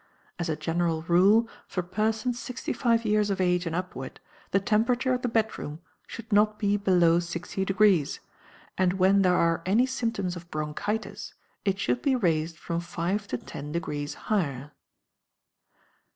As a general rule, for persons sixty five years of age and upward, the temperature of the bed room should not be below 60°, and when there are any symptoms of bronchitis it should be raised from five to ten degrees higher.